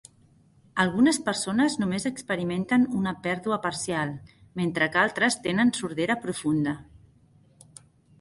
Algunes persones només experimenten una pèrdua parcial, mentre que altres tenen sordera profunda.